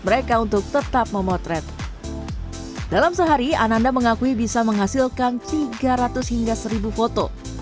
mereka untuk tetap memotret dalam sehari ananda mengakui bisa menghasilkan tiga ratus hingga seribu foto